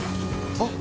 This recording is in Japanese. ・あっ！！